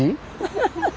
ハハハハ！